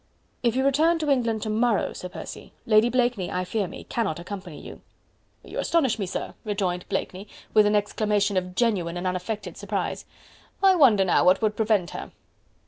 "If you return to England to morrow, Sir Percy, Lady Blakeney, I fear me, cannot accompany you." "You astonish me, sir," rejoined Blakeney with an exclamation of genuine and unaffected surprise. "I wonder now what would prevent her?"